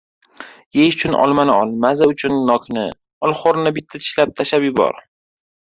• Yeyish uchun olmani ol, maza uchun ― nokni, olxo‘rini bitta tishlab, tashlab yubor.